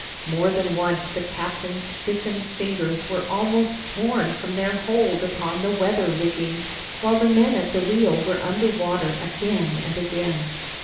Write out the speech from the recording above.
More than once the captain's stiffened fingers were almost torn from their hold upon the weather rigging, while the men at the wheel were under water again and again.